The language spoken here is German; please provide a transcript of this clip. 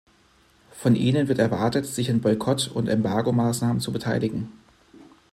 Von ihnen wird erwartet, sich an Boykottund Embargomaßnahmen zu beteiligen.